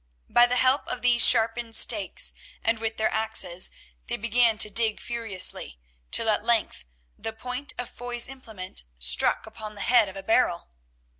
By the help of these sharpened stakes, and with their axes, they began to dig furiously, till at length the point of Foy's implement struck upon the head of a barrel.